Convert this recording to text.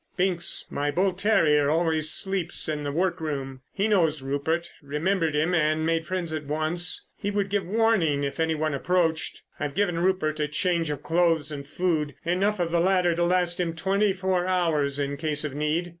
Binks, my bull terrier, always sleeps in the workroom. He knows Rupert, remembered him and made friends at once. He would give warning if anyone approached.... I've given Rupert a change of clothes and food—enough of the latter to last him twenty four hours in case of need.